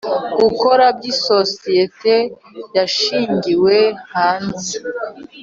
Gukora by isosiyete yashingiwe hanze